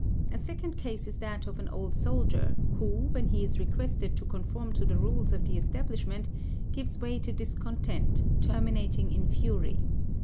A second case is that of an old soldier, who, when he is requested to conform to the rules of the establishment, gives way to discontent, terminating in fury.